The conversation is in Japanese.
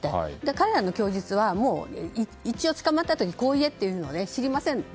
彼らの供述は一応捕まったあとに、こう言えと知りませんと。